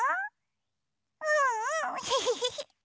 うんうんヘヘヘヘ！